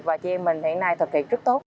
và chị em mình hiện nay thực hiện rất tốt